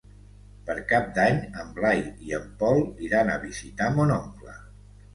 Per Cap d'Any en Blai i en Pol iran a visitar mon oncle.